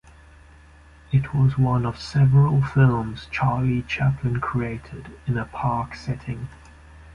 It was one of several films Charlie Chaplin created in a park setting.